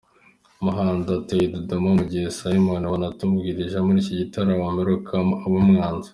Muhando atuye Dodoma mu gihe Simon, wanatubwirije muri icyo gitaramo mperukamo, aba Mwanza.